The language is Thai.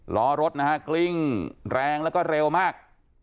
ล้อรถนะฮะกลิ้งแรงแล้วก็เร็วมาก